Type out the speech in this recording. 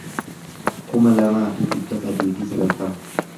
kuma lamaa fi dhibba sadii fi sagaltama